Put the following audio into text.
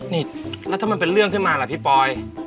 นี่แล้วถ้ามันเป็นเรื่องขึ้นมาล่ะพี่ปอย